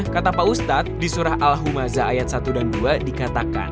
kata pak ustadz di surah al humaza ayat satu dan dua dikatakan